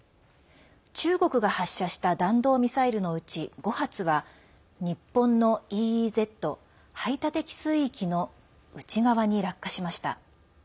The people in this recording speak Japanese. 中国が発射した弾道ミサイルのうち５発は日本のＥＥＺ＝排他的経済水域の内側に落下しました。